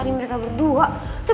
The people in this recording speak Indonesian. dari mana lagi gue ke rumah